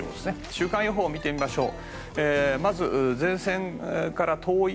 週間予報を見てみましょう。